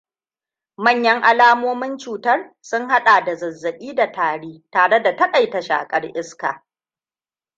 Manyan alamomin cutar sun haɗa da zazzaɓi da tari tare da takaita shakar iska.